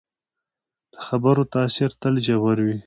د خبرو تاثیر تل ژور وي